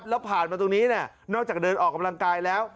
แล้วผ่านมาตรงนี้นอกจากเดินออกกำลังกายแล้ว